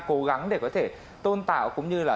cố gắng để có thể tôn tạo cũng như là